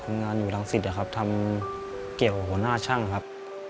งานอยู่รังสิตนะครับทำเกี่ยวกับหัวหน้าช่างครับ